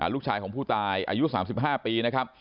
ลูกชายของผู้ตายอายุ๓๕ปีนะครับ